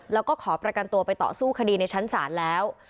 แล้วก็ขอประกันตัวไปต่อสู้คดีในชั้นศาลแล้ว